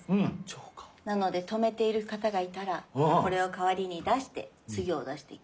なので止めている方がいたらこれを代わりに出して次を出していく。